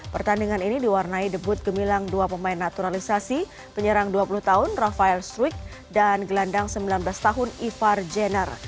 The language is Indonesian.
pertandingan ini diwarnai debut gemilang dua pemain naturalisasi penyerang dua puluh tahun rafael struik dan gelandang sembilan belas tahun ivar jenner